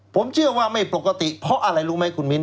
ผมเชื่อว่าไม่ปกติเพราะอะไรรู้ไหมคุณมิ้น